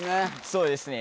そうですね